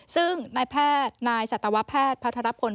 ซึ่งนายแพทย์นายสัตวแพทย์พัทรพล